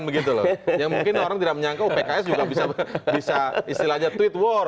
yang mungkin orang tidak menyangkau pks juga bisa istilahnya tweet war